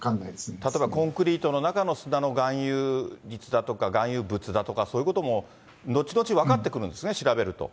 例えば、コンクリートの中の砂の含有率だとか、含有物だとか、そういうことも後々分かってくるんですね、調べると。